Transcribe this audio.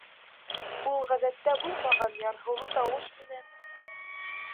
Ул ғәҙәттә булмаған ярһыулы тауыш менән: